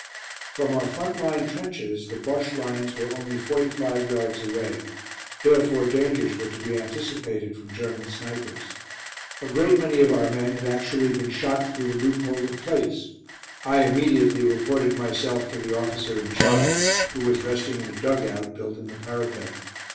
From our front line trenches the Bosche lines were only forty five yards away, therefore dangers were to be anticipated from German snipers. A great many of our men had actually been shot through the loophole of plates. I immediately reported myself to the officer in charge, who was resting in a dug out, built in the parapet.